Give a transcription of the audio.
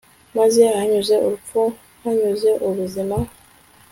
maze ahanyuze urupfu mpanyuze ubuzima